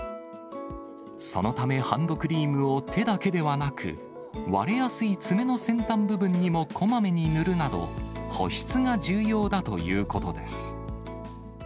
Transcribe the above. そのため、ハンドクリームを手だけではなく、割れやすい爪の先端部分にもこまめに塗るなど、保湿が重要だということです。